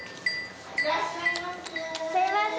いらっしゃいませ。